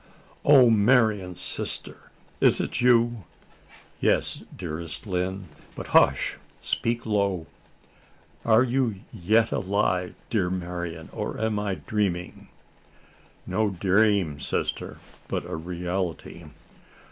"O Marian! sister! is it you?" "Yes, dearest Lil! But hush! speak low!" "Are you yet alive, dear Marian? or am I dreaming?" "No dream, sister, but a reality."